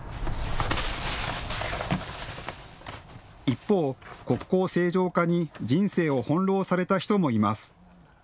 一方、国交正常化に人生を翻弄された人もいます。